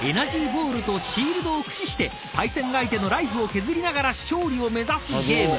ボールとシールドを駆使して対戦相手のライフを削りながら勝利を目指すゲーム］